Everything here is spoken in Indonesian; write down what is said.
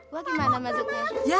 wah gimana masuknya